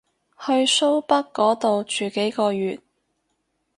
去蘇北嗰度住幾個月